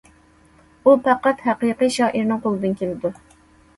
ئۇ پەقەت ھەقىقىي شائىرنىڭ قولىدىن كېلىدۇ.